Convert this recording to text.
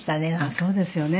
そうですよね。